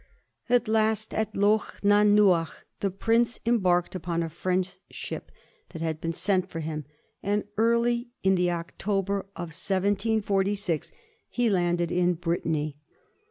At last, at Lochnanuagh, the prince embarked upon a French ship that had been sent for him, and early in the October of 1746 he landed in Brittany.